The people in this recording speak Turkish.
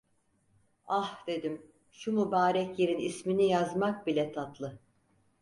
"Ah!" dedim, "Şu mübarek yerin ismini yazmak bile tatlı!"